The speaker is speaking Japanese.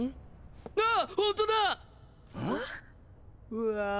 うわ。